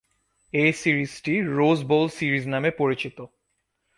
এ সিরিজটি Rose Bowl series নামে পরিচিত।